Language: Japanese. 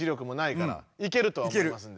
いけるとは思いますんで。